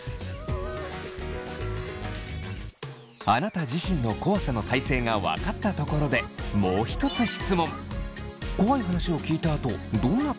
あなた自身の怖さの耐性が分かったところでもう一つ質問。